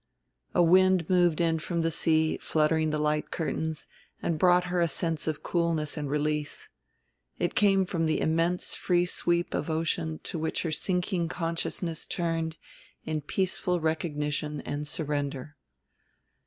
A wind moved in from the sea, fluttering the light curtains, and brought her a sense of coolness and release. It came from the immense free sweep of ocean to which her sinking consciousness turned in peaceful recognition and surrender.